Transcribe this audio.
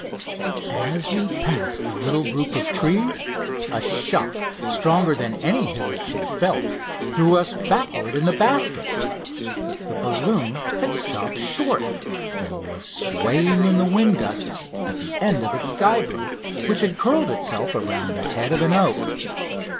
As we passed a little group of trees a shock stronger than any hitherto felt threw us backward in the basket. The balloon had stopped short, and was swaying in the wind gusts at the end of its guide rope, which had curled itself around the head of an oak.